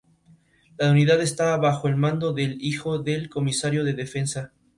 La unidad estaba bajo el mando del hijo del Comisario de Defensa.